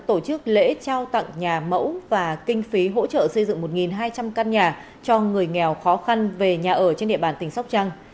tổ chức lễ trao tặng nhà mẫu và kinh phí hỗ trợ xây dựng một hai trăm linh căn nhà cho người nghèo khó khăn về nhà ở trên địa bàn tỉnh sóc trăng